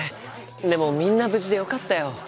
でもみんな無事でよかったよ。